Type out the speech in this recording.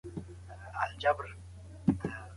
روغتیا ساتل د کورنۍ لومړنی هدف دی ترڅو د ژوند کیفیت ښه شي.